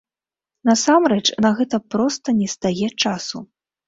Насамрэч, на гэта проста нестае часу.